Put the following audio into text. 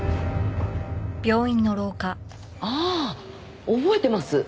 ああ覚えてます。